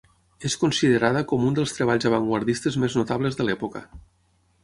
És considerada com un dels treballs avantguardistes més notables de l'època.